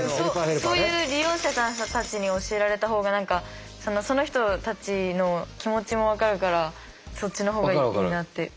そういう利用者さんたちに教えられたほうがその人たちの気持ちも分かるからそっちの方がいいなって。